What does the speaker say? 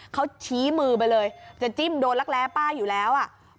เขาชี้มือไปเลยจะจิ้มโดนรักแร้ป้าอยู่แล้วอ่ะ